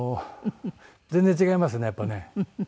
全然違いますねやっぱね。